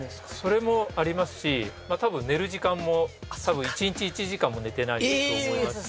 それもありますしたぶん寝る時間もたぶん１日１時間も寝てないと思いますし